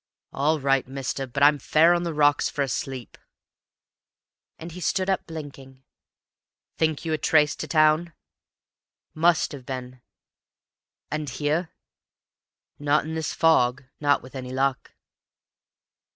"All right, mister; but I'm fair on the rocks for a sleep!" And he stood up, blinking. "Think you were traced to town?" "Must have been." "And here?" "Not in this fog not with any luck."